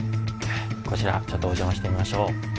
こちらちょっとお邪魔してみましょう。